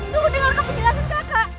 tunggu dengar kamu jelasin kakak